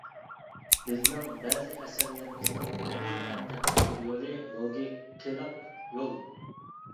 بىزنىڭ بەزى ئەسەرلىرىمىزنىڭ تەبىئىي پەن تەپەككۇر يولى لوگىكىلىق يول.